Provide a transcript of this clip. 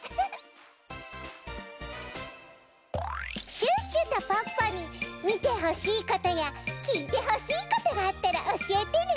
シュッシュとポッポにみてほしいことやきいてほしいことがあったらおしえてね。